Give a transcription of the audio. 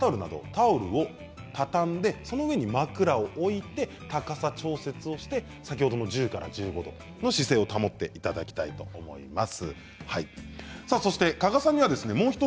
それも悪い姿勢なので、その時はバスタオルをたたんでその上に枕を置いて高さ調節をして先ほどの１０から１５度の姿勢を保っていただきたいと思います。